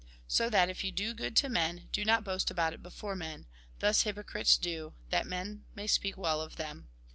So that, if you do good to men, do not boast about it before men. Thus hypocrites do, that men may speak well of them.